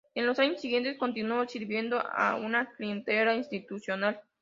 En los años siguientes continuó sirviendo a una clientela institucional.